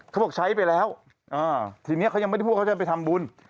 เขาบอกใช้ไปแล้วทีนี้เขายังไม่ได้พูดว่าเขาจะไปทำบุญ